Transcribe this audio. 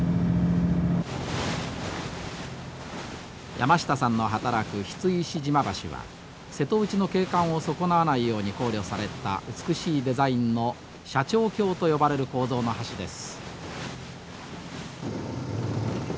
山下さんの働く櫃石島橋は瀬戸内の景観を損なわないように考慮された美しいデザインの斜張橋と呼ばれる構造の橋です。